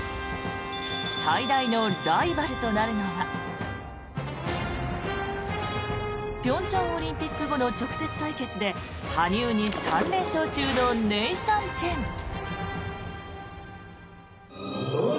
最大のライバルとなるのは平昌オリンピック後の直接対決で羽生に３連勝中のネイサン・チェン。